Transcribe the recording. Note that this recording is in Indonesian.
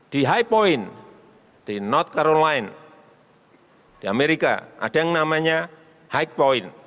di high point di not caroline di amerika ada yang namanya high point